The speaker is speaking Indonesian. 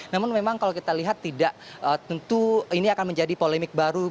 namun memang kalau kita lihat tidak tentu ini akan menjadi polemik baru